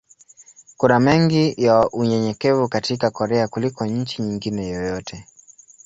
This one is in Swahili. Kuna mengi ya unyenyekevu katika Korea kuliko nchi nyingine yoyote.